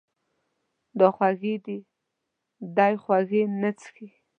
دا خوږې دي، دی خوږې نه څښي.